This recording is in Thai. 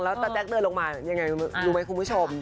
แล้วตาแจ๊คเดินลงมายังไงรู้ไหมคุณผู้ชม